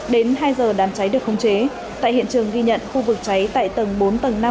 đến hai giờ đám cháy được không chế tại hiện trường ghi nhận khu vực cháy tại tầng bốn tầng năm